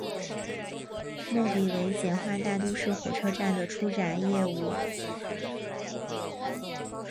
目的为简化大都市火车站的出闸业务。